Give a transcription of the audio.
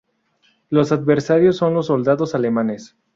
Los adversarios son los soldados alemanes.